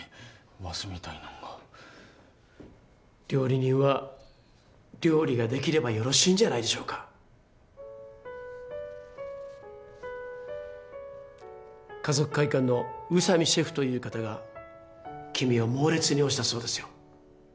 わしみたいなんが・料理人は料理ができればよろしいんじゃないでしょうか華族会館の宇佐美シェフという方が君を猛烈に推したそうですよ